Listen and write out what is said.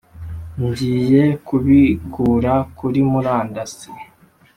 ngiye kubikura kuri murandasi